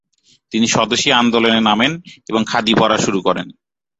তিনি স্বদেশী আন্দোলনে নামেন এবং খাদি পরা শুরু করেন।